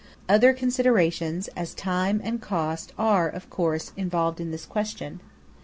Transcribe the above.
Other considerations, as time and cost, are, of course, involved in this question.